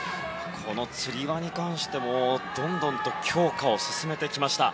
このつり輪に関してもどんどん強化を進めてきました。